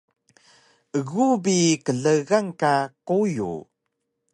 Egu bi klgan ka quyu